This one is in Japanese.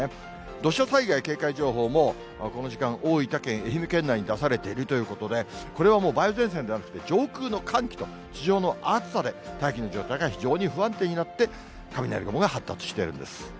土砂災害警戒情報も、この時間、大分県、愛媛県内に出されているということで、これはもう、梅雨前線ではなくて上空の寒気と地上の暑さで大気の状態が非常に不安定になって、雷雲が発達しているんです。